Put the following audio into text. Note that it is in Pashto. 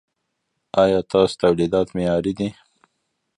ایا ستاسو تولیدات معیاري دي؟